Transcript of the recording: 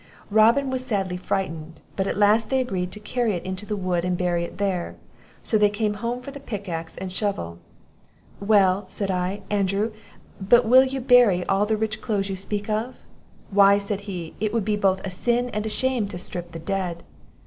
Robin was sadly frightened, but at last they agreed to carry it into the wood, and bury it there; so they came home for a pickaxe and shovel. 'Well,' said I, 'Andrew, but will you bury all the rich clothes you speak of?' 'Why,' said he, 'it would be both a sin and a shame to strip the dead.